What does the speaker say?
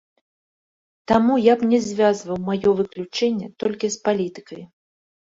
Таму я б не звязваў маё выключэнне толькі з палітыкай.